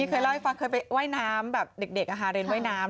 เคยเล่าให้ฟังเคยไปว่ายน้ำแบบเด็กเรียนว่ายน้ำ